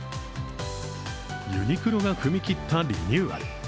ユニクロが踏み切ったリニューアル。